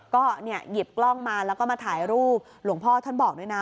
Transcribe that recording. ก็หยิบกล้องมาแล้วก็มาถ่ายรูปหลวงพ่อท่านบอกด้วยนะ